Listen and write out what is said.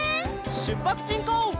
しゅっぱつしんこう！